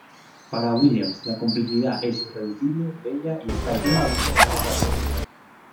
Para Williams, la complejidad es irreducible, bella y está llena de significado.